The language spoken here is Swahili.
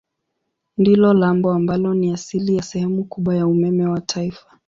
Ndilo lambo ambalo ni asili ya sehemu kubwa ya umeme wa taifa.